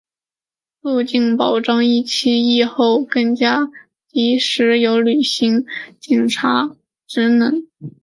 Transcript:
促进、保障疫期、疫后更加及时有效履行检察职能